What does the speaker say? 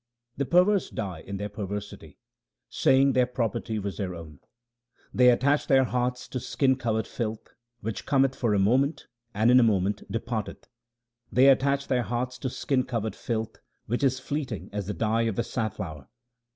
The perverse die in their perversity, saying their property was their own. They attach their hearts to skin covered filth 1 which cometh for a moment and in a moment departeth : They attach their hearts to skin covered filth which is fleeting as the dye of the safflower.